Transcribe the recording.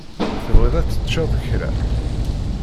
Tebɣiḍ ad teččeḍ kra?